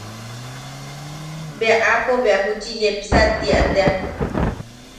Bea aapo bea juchi yepsa tia tea.